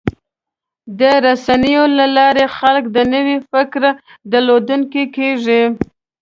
د رسنیو له لارې خلک د نوي فکر درلودونکي کېږي.